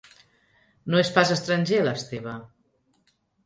No és pas estranger, l'Esteve.